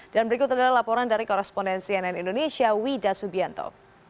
dan berikut adalah laporan dari korrespondensi ann indonesia wida subianto